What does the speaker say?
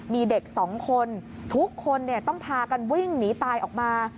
มีเด็กสองคนทุกคนต้องพากันวิ่งหนีตายออกมา